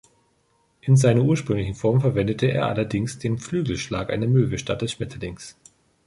In seiner ursprünglichen Form verwendete er allerdings den Flügelschlag einer Möwe statt des Schmetterlings.